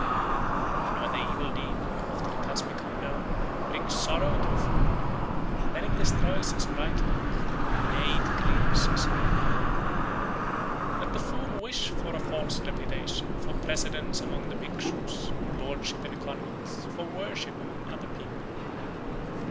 72. And when the evil deed, after it has become known, brings sorrow to the fool, then it destroys his bright lot, nay, it cleaves his head. 73. Let the fool wish for a false reputation, for precedence among the Bhikshus, for lordship in the convents, for worship among other people!